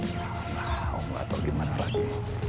ya allah om gak tau gimana lagi